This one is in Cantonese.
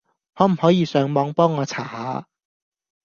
可唔可以上網幫我查下？